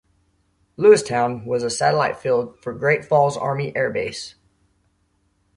Lewistown was a satellite field for Great Falls Army Air Base.